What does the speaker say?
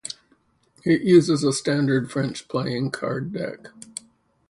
It uses a standard French playing card deck.